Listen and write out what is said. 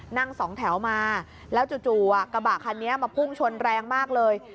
นั่งสองแถวมาแล้วจู่กระบะคันนี้มาพุ่งชนแรงมากเลย